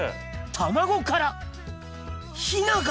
卵からヒナが！